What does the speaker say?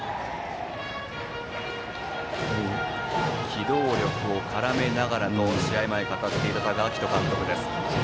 機動力を絡めながらと試合前に語っていた多賀章仁監督です。